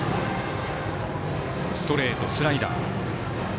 ストレート、スライダー。